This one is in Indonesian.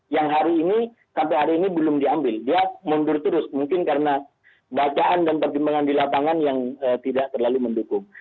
yang hari ini sampai hari ini belum diambil dia mundur terus mungkin karena bacaan dan pertimbangan di lapangan yang tidak terlalu mendukung